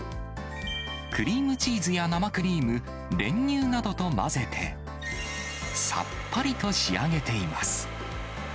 クリームチーズや生クリーム、練乳などと混ぜて、さっぱりと仕上げています。